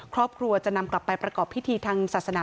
ครอบครัวจะนำกลับไปประกอบพิธีทางศาสนา